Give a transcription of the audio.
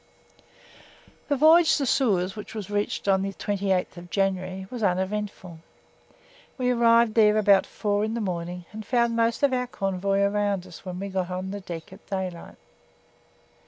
The voyage to Suez (which was reached on the 28th January) was uneventful. We arrived there about 4 in the morning and found most of our convoy around us when we got on deck at daylight.